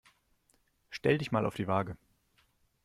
Stell dich mal auf die Waage.